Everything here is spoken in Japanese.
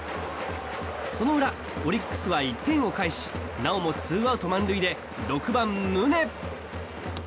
その裏、オリックスは１点を返しなおもツーアウト満塁で６番、宗。